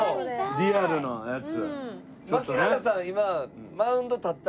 リアルのやつ。